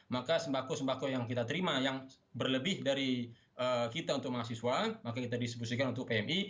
maka sembako sembako yang kita terima yang berlebih dari kita untuk mahasiswa maka kita distribusikan untuk pmi